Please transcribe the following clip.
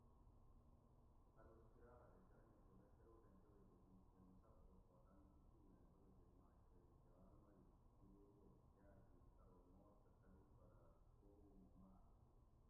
ا دوس چراغہ تے شرنگہ چو لشکروٹیں توبیکہ دیت تے مسافروٹ پا تانی پڷیو ایں توبیکہ دیانش تے جار مئی گلیریہ چکار دیت ارو موٹ تہ تلوت پرہ بوبو مو ماۤر